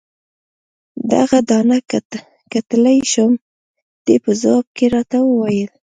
دغه دانه کتلای شم؟ دې په ځواب کې راته وویل.